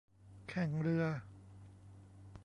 แข่งเรือ